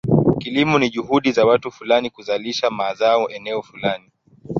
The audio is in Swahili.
Kilimo ni juhudi za watu fulani kuzalisha mazao eneo fulani.